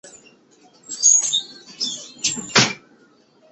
苗栗丽花介为粗面介科丽花介属下的一个种。